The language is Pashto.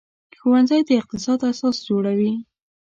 ښوونځی د اقتصاد اساس جوړوي